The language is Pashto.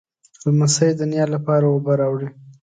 لمسی د نیا لپاره اوبه راوړي.